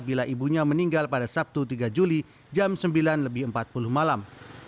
bila ibunya meninggal pada sabtu tiga juli jam sembilan lebih empat puluh malam